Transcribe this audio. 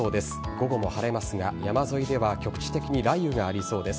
午後も晴れますが、山沿いでは局地的に雷雨がありそうです。